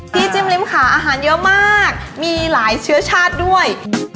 ที่จิ้มริมขาอาหารเยอะมากมีหลายเชื้อชาติด้วย